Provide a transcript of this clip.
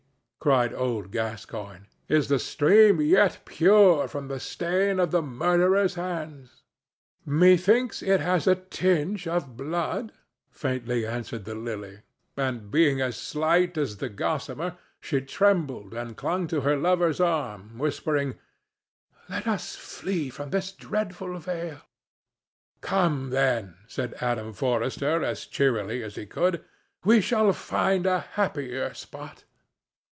cried old Gascoigne; "is the stream yet pure from the stain of the murderer's hands?" "Methinks it has a tinge of blood," faintly answered the Lily; and, being as slight as the gossamer, she trembled and clung to her lover's arm, whispering, "Let us flee from this dreadful vale." "Come, then," said Adam Forrester as cheerily as he could; "we shall soon find a happier spot."